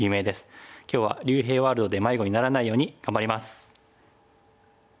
今日は竜平ワールドで迷子にならないように頑張ります。